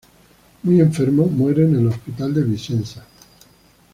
Muy enfermo, muere en el Hospital de Vicenza.